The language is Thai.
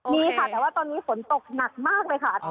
มีค่ะแต่ว่าตอนนี้ฝนตกหนักมากเลยค่ะ